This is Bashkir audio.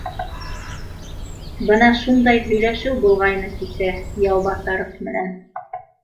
Бына шундай һөйләшеү булғайны кисә Яубаҫаров менән